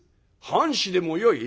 「半紙でもよい」。